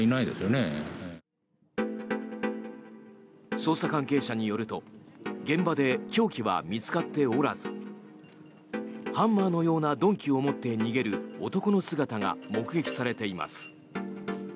捜査関係者によると現場で凶器は見つかっておらずハンマーのような鈍器を持って逃げる男の姿が目撃されています。